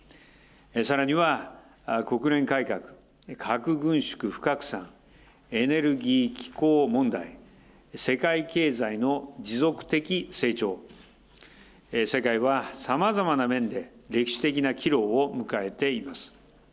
さらには国連改革、核軍縮不拡散、エネルギー機構問題、世界経済の持続的成長、世界はさまざまな面で歴史的な岐路を迎えています。